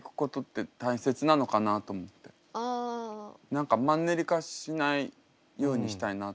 何かマンネリ化しないようにしたいなって。